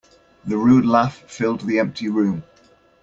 The rude laugh filled the empty room.